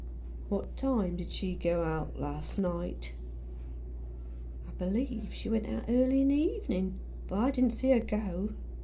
"What time did she go out last night?" " I believe she went out early in the evening ; but I didn't see her go.